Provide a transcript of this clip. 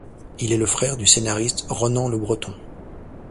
Il est le frère du scénariste Ronan Le Breton.